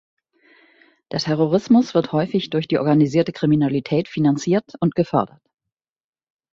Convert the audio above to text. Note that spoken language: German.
Der Terrorismus wird häufig durch die organisierte Kriminalität finanziert und gefördert.